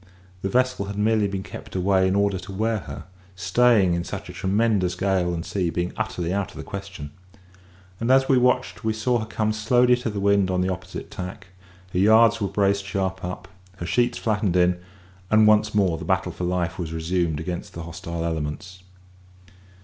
The vessel had merely been kept away in order to wear her; staying in such a tremendous gale and sea being utterly out of the question. And as we watched we saw her come slowly to the wind on the opposite tack; her yards were braced sharp up, her sheets flattened in, and once more the battle for life was resumed against the hostile elements.